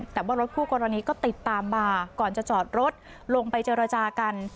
แต่ว่ารถคู่กรณีก็ติดตามมาก่อนจะจอดรถลงไปเจรจากัน